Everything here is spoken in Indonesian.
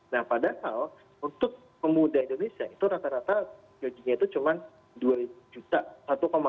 nah padahal untuk pemuda indonesia itu rata rata gajinya itu cuma dua juta